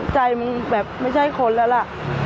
ใจมึงแบบไม่ใช่คนแล้วล่ะ